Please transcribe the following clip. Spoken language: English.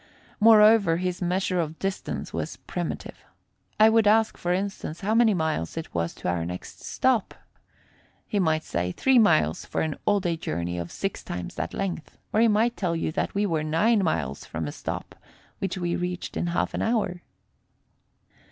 Moreover his measure of distance was primitive. I would ask, for instance, how many miles it was to our next stop. He might say three miles for an all day journey of six times that length, or he might tell you that we were nine miles from a spot which we reached in half an hour.